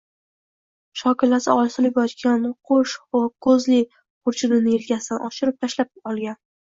shokilasi osilib yotgan qo‘sh ko‘zli xurjunini yelkasidan oshirib tashlab olgan